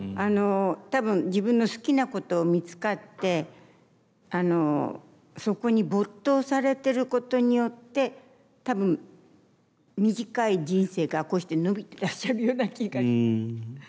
多分自分の好きなことを見つかってそこに没頭されてることによって多分短い人生がこうして延びてらっしゃるような気がします。